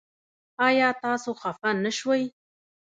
ایا تاسو خفه نه شوئ؟